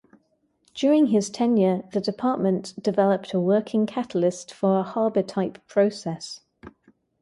During his tenure, the department developed a working catalyst for a Haber-type process.